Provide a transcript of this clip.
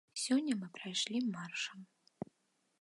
Сёння мы прайшлі маршам.